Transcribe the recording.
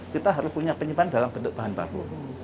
kita harus punya penyimpan dalam bentuk bahan baku